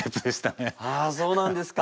あそうなんですか。